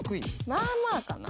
まあまあかな。